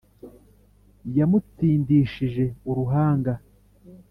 Yamutsindishije uruhanga